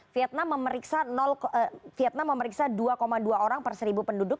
vietnam vietnam memeriksa dua dua orang per seribu penduduk